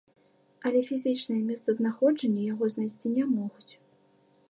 Але фізічнае месцазнаходжанне яго знайсці не могуць.